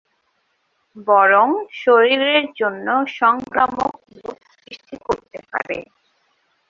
বরং শরীরের জন্য সংক্রামক রোগ সৃষ্টি করতে পারে।